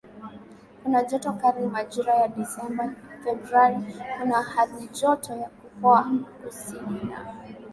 kuna joto kali Majira ya Desemba Februari kuna halijoto ya kupoa kusini na